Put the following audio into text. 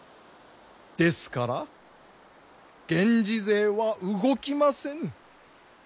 ですから源氏勢は動きませぬ。